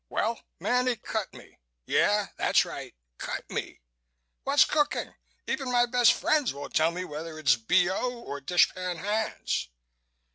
Well, Manny cut me. Yeah, that's right. Cut me! What's cooking? Even my best friends won't tell me whether it's B.O. or dishpan hands."